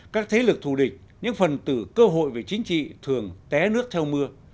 các thế lực thù địch những phần tử cơ hội về chính trị thường té nước theo mưa